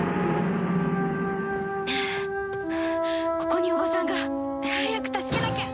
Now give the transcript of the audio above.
ここに叔母さんが早く助けなきゃ。